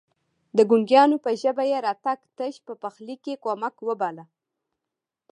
د ګونګيانو په ژبه يې راتګ تش په پخلي کې کمک وباله.